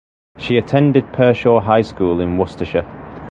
She attended Pershore High School in Worcestershire.